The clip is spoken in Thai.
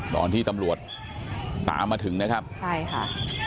ตอนที่ตำรวจตามมาถึงนะครับใช่ค่ะ